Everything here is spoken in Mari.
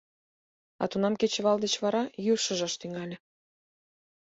А тунам кечывал деч вара йӱр шыжаш тӱҥале.